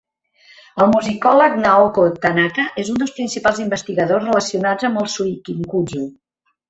El musicòleg Naoko Tanaka és un dels principals investigadors relacionats amb el "suikinkutsu".